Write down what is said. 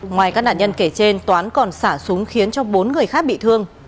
ngoài các nạn nhân kể trên toán còn xả súng khiến cho bốn người khác bị thương